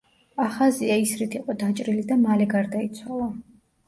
ახაზია ისრით იყო დაჭრილი და მალე გარდაიცვალა.